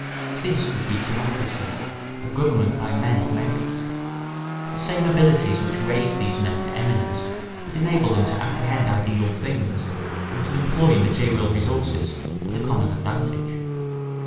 This would be timocracy—a government by men of merit. The same abilities which raised these men to eminence would enable them to apprehend ideal things and to employ material resources for the common advantage.